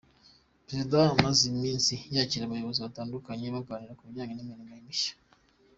Perezida amaze iminsi yakira abayobozi batandukanye baganira ku bijyanye n’imirimo ye mishya.